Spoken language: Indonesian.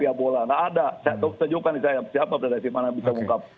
siapa pederasi mana bisa mengungkap